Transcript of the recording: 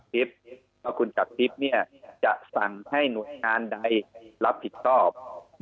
ถ้าคุณจักรทริปเนี่ยจะสั่งให้หนวดงานใดรับผิดตอบ